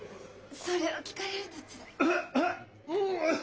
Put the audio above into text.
それを聞かれるとつらい。